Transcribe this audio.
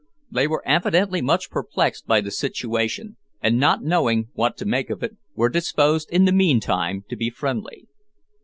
They were evidently much perplexed by the situation, and, not knowing what to make of it, were disposed in the meantime to be friendly.